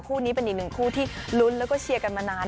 คู่นี้เป็นอีกหนึ่งคู่ที่ลุ้นแล้วก็เชียร์กันมานาน